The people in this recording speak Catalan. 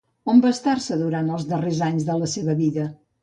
On va estar-se durant els darrers anys de la seva vida?